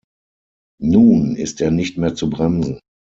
Nun ist er nicht mehr zu bremsen.